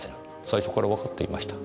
最初からわかっていました。